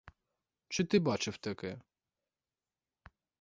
Чи ти бачив таке!